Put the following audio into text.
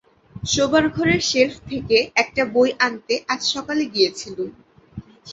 শোবার ঘরের শেলফ থেকে একটা বই আনতে আজ সকালে গিয়েছিলুম।